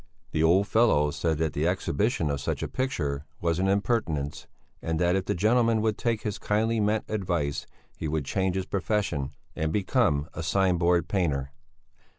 The old fellow said that the exhibition of such a picture was an impertinence, and that if the gentleman would take his kindly meant advice, he would change his profession and become a sign board painter.